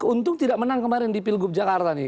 untung tidak menang kemarin di pilgub jakarta nih